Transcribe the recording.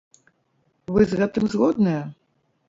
Вы з гэтым згодныя?